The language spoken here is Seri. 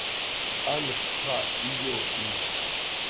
Anàxö xah iyoohit.